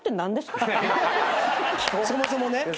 そもそもね。